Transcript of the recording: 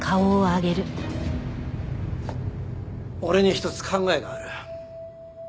俺に一つ考えがある。